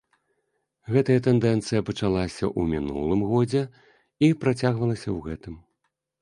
Гэтая тэндэнцыя пачалася ў мінулым годзе і працягвалася ў гэтым.